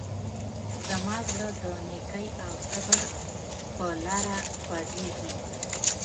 زما زړه د نیکۍ او صبر په لاره خوځېږي.